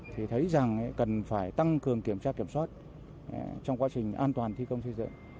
thì thấy rằng cần phải tăng cường kiểm tra kiểm soát trong quá trình an toàn thi công xây dựng